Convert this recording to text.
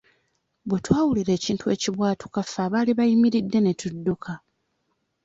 Bwe twawulira ekintu ekibwatuka ffe abaali bayimiridde ne tudduka.